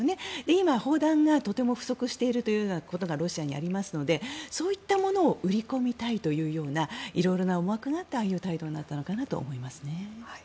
今、砲弾がとても不足しているということがロシアにありますのでそういったものを売り込みたいという色々な思惑があってああいう態度になったのかなと思います。